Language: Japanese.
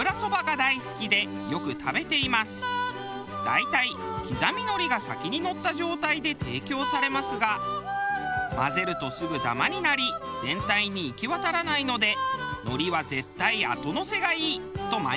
大体刻み海苔が先にのった状態で提供されますが混ぜるとすぐダマになり全体に行き渡らないので海苔は絶対後のせがいいと毎回思っています。